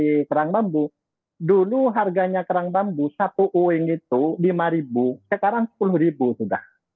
di kerang bambu dulu harganya kerang bambu satu ueng itu rp lima sekarang rp sepuluh sudah